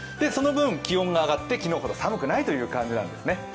その分、気温が上がって昨日ほど寒くないという感じなんですね。